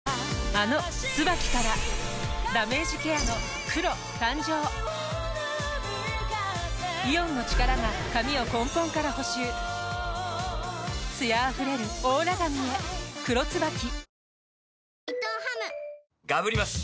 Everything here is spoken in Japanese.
あの「ＴＳＵＢＡＫＩ」からダメージケアの黒誕生イオンの力が髪を根本から補修艶あふれるオーラ髪へ「黒ＴＳＵＢＡＫＩ」